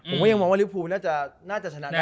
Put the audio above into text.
ผมก็ยังมองว่าริภูน่าจะชนะได้